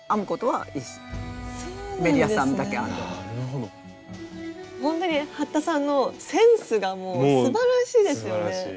ほんとに服田さんのセンスがもうすばらしいですよね。